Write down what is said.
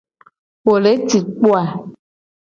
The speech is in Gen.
Wo le ci kpo a?